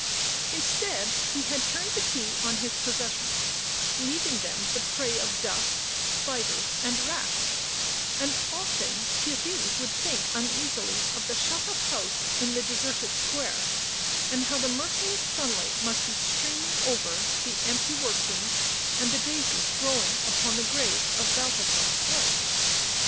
Instead, he had turned the key on his possessions, leaving them the prey of dust, spiders and rats, and often Theirry would think uneasily of the shut up house in the deserted square, and how the merciless sunlight must be streaming over the empty workroom and the daisies growing upon the grave of Balthasar's wife.